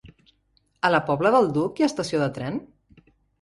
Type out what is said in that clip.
A la Pobla del Duc hi ha estació de tren?